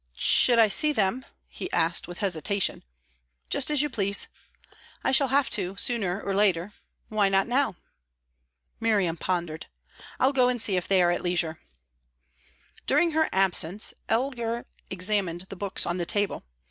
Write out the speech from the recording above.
"Should I see them?" he asked, with hesitation. "Just as you please." "I shall have to, sooner or later. Why not now?" Miriam pondered. "I'll go and see if they are at leisure." During her absence, Elgar examined the books on the table.